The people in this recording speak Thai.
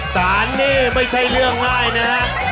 สารนี่ไม่ใช่เรื่องง่ายนะฮะ